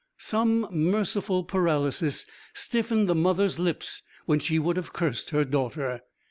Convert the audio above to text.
Some merciful paralysis stiffened the mother's lips when she would have cursed her daughter.